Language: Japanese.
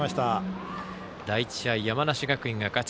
第１試合、山梨学院が勝ち